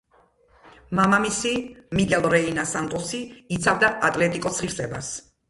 მამამისი მიგელ რეინა სანტოსი იცავდა „ატლეტიკოს“ ღირსებას.